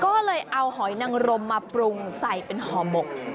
ก็เลยเอาหอยนังรมมาปรุงใส่เป็นห่อหมก